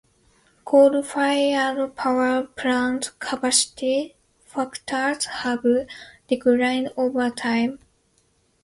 Coal-fired power plant capacity factors have declined over time